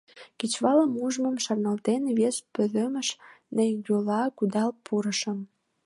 Кечывалым ужмым шарналтен, вес пӧлемыш нылйола кудал пурышым.